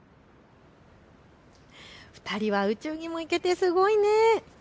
２人は宇宙にも行けてすごいね。